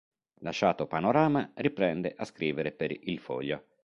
Lasciato "Panorama", riprende a scrivere per "Il Foglio".